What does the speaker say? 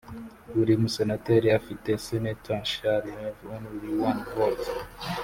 buri Musenateri afite Senator shall have only one vote